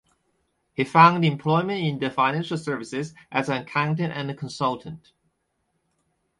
He found employment in the financial services as an accountant and consultant.